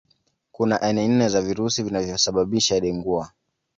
Kuna aina nne za virusi vinavyosababisha Dengua